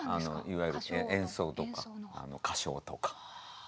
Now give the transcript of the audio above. いわゆる演奏とか歌唱とか。